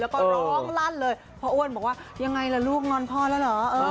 แล้วก็ร้องลั่นเลยพ่ออ้วนบอกว่ายังไงล่ะลูกงอนพ่อแล้วเหรอ